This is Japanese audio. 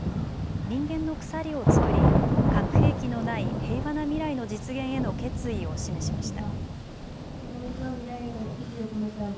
人間の鎖を作り核兵器のない平和な未来の実現への決意を示しました。